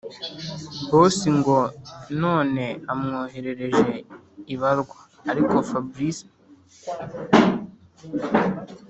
boss ngo none amwoherereje ibarwa. ariko fabric